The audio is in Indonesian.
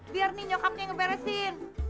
biar nih nyokapnya ngeberesin